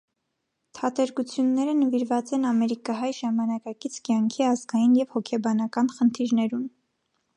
Թատերգութիւնները նուիրուած են ամերիկահայ ժամանակակից կեանքի ազգային եւ հոգեբանական խնդիրներուն։